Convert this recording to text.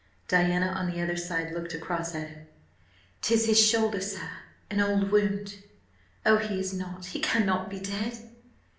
Diana, on the other side, looked across at him. "'Tis his shoulder, sir–an old wound. Oh, he is not–he cannot be–dead?"